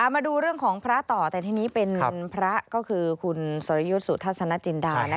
มาดูเรื่องของพระต่อแต่ทีนี้เป็นพระก็คือคุณสรยุทธ์สุทัศนจินดา